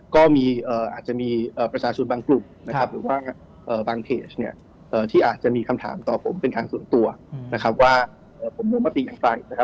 ก็อาจจะมีประชาชนบางกลุ่มหรือบางเพจที่อาจจะมีคำถามต่อผมเป็นการส่วนตัวว่าผมลงมติอย่างใกล้